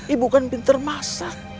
ibu kan pinter masak